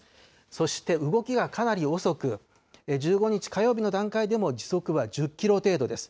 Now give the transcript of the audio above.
そして動きがかなり遅く、１５日火曜日の段階でも、時速は１０キロ程度です。